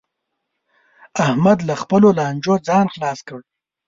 احمد له خپلو لانجو ځان خلاص کړ